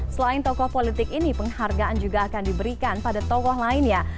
selain tokoh politik ini penghargaan juga akan diberikan pada tokoh lainnya